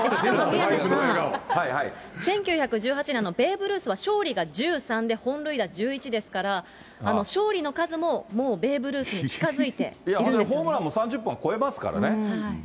宮根さん、１９１８年、ベーブ・ルースは勝利が１３で、本塁打１１ですから、勝利の数ももうベーブ・ルースに近づいていホームランも３０本超えますからね。